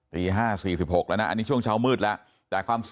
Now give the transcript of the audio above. ตี๕๔๖แล้วนะอันนี้ช่วงเช้ามืดแล้ว